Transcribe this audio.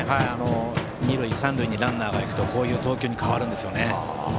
二塁や三塁にランナーが行くとこういう投球に変わるんですよね。